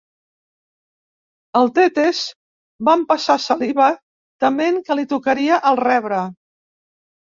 El Tetes va empassar saliva tement que li tocaria el rebre.